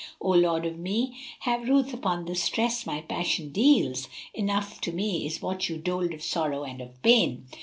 O lords of me, have ruth upon the stress my passion deals * Enough to me is what you doled of sorrow and of pain.